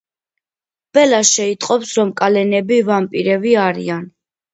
ბელა შეიტყობს რომ კალენები ვამპირები არიან.